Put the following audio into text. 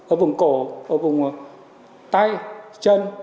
ở vùng cổ ở vùng tay chân